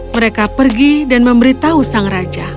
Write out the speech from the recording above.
mereka pergi dan memberitahu sang raja